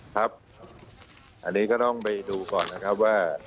ครับอันนี้ก็ต้องไปดูก่อนนะครับว่า